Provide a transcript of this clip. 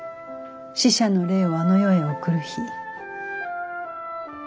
死者の霊をあの世へ送る日。